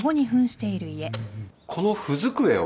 この文机を？